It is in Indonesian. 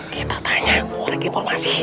kita tanya gorek informasi